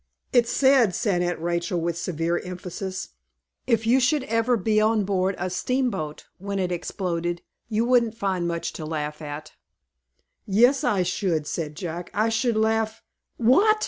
"It's said," said Aunt Rachel, with severe emphasis, "if you should ever be on board a steamboat when it exploded you wouldn't find much to laugh at." "Yes, I should," said Jack. "I should laugh " "What!"